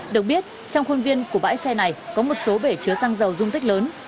được biết trong khuôn viên của bãi xe này có một số bể chứa xăng dầu dung tích lớn